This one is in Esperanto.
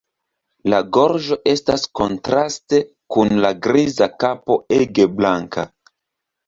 La gorĝo estas kontraste kun la griza kapo ege blanka.